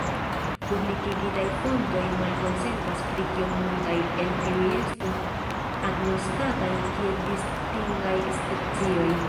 Publikigitaj fontoj malkonsentas pri kiom multaj el tiuj estu agnoskataj kiel distingaj specioj.